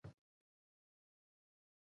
همدغه آسونه او تیغونه د کاکا ژوند واخیست.